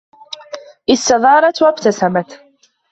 استدارت و ابتسمت.